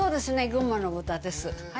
群馬の豚です。